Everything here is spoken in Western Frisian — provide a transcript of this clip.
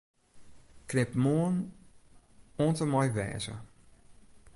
Knip 'Moarn' oant en mei 'wêze'.